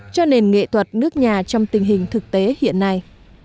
cho nền nghệ thuật nước nhà trong tình hình thực tế hiện nay